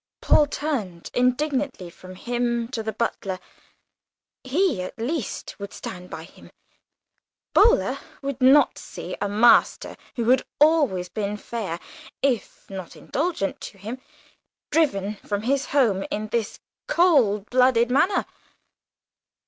Paul turned indignantly from him to the butler; he, at least, would stand by him. Boaler would not see a master who had always been fair, if not indulgent, to him driven from his home in this cold blooded manner!